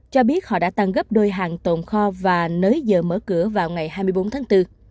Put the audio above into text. cho biết họ đã tăng gấp đôi hàng tồn kho và nới giờ mở cửa vào ngày hai mươi bốn tháng bốn